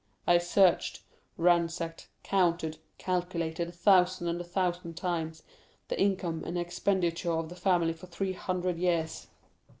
I searched, ransacked, counted, calculated a thousand and a thousand times the income and expenditure of the family for three hundred years.